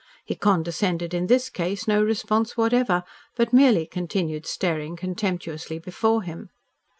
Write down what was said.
He condescended in this case no response whatever, but merely continued staring contemptuously before him.